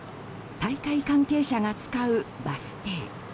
大会関係者が使うバス停。